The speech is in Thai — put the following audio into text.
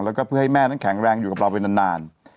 แล้วก็เพื่อให้แม่นั้นแข็งแรงอยู่กับเราไปนาน